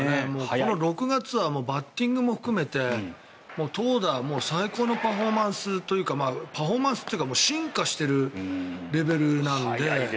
この６月はバッティングも含めて投打、最高のパフォーマンスというか進化してるレベルなんで。